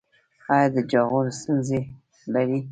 ایا د جاغور ستونزه لرئ؟